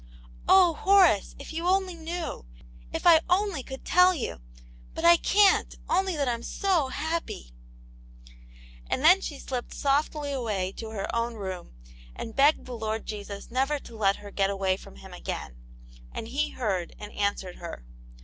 "Oh, Horace, if you only knew! If I only could tell you ! But I can't, only that I'm so happy !" And then she slipped softly away to her own room, and begged the Lord Jesus never to let her get away from Him again, and He heard, and answered her.